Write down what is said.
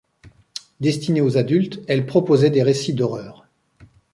Destinée aux adultes, elle proposait des récits d'horreurs.